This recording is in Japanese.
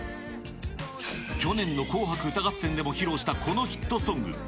去年の紅白歌合戦でも披露したこのヒットソング。